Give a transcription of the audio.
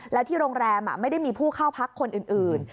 และที่โรงแรมไม่ได้มีผู้เข้าพักคนอื่น